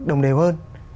đồng đều hơn